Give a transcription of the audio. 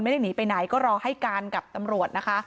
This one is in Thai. ไม่ได้หนีไปไหนก็รอให้การกับตำรวจนะคะ